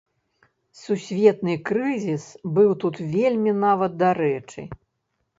Сусветны крызіс быў тут вельмі нават дарэчы.